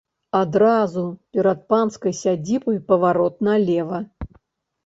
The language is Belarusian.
Адразу перад панскай сядзібай паварот налева.